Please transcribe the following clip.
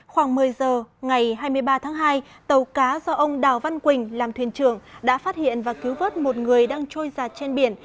khoảng một mươi giờ ngày hai mươi ba tháng hai tàu cá do ông đào văn quỳnh làm thuyền trưởng đã phát hiện và cứu vớt một người đang trôi giặt trên biển